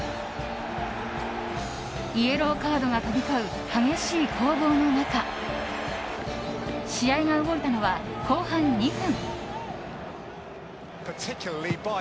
イエローカードが飛び交う激しい攻防の中試合が動いたのは後半２分。